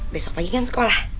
besok pagi kan sekolah